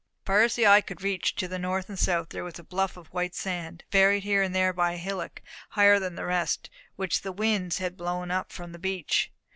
Far as the eye could reach, to the north and south, there was a bluff of white sand, varied here and there by a hillock, higher than the rest, which the winds had blown up from the beach.